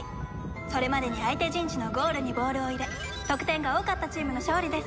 それまでに相手陣地のゴールにボールを入れ得点が多かったチームの勝利です。